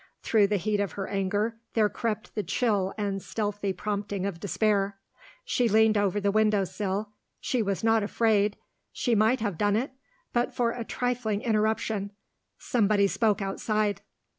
Through the heat of her anger there crept the chill and stealthy prompting of despair. She leaned over the window sill she was not afraid she might have done it, but for a trifling interruption. Somebody spoke outside.